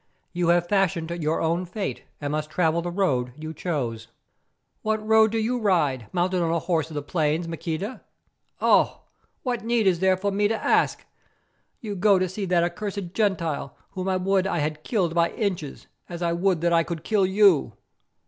You have fashioned your own fate, and must travel the road you chose." "What road do you ride, mounted on a horse of the plains, Maqueda? Oh! what need is there for me to ask? You go to see that accursed Gentile whom I would I had killed by inches, as I would that I could kill you."